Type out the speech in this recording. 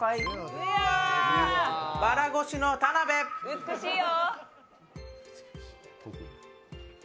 美しいよ！